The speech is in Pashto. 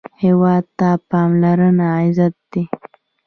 هېواد ته پاملرنه عزت دی